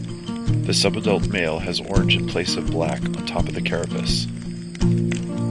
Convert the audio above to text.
The subadult male has orange in place of black on top of the carapace.